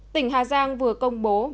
tỉnh hà giang vừa công bố